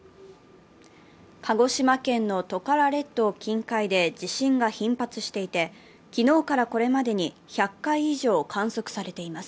鹿児島県のトカラ列島近海で地震が頻発していて、昨日からこれまでに１００回以上、観測されています。